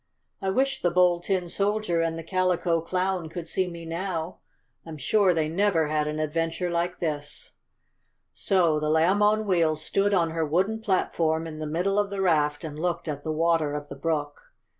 I wish the Bold Tin Soldier and the Calico Clown could see me now. I'm sure they never had an adventure like this!" So the Lamb on Wheels stood on her wooden platform in the middle of the raft and looked at the water of the brook.